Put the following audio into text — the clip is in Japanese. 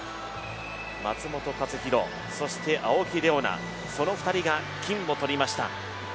松元克央、そして青木玲緒樹その２人が金をとりました。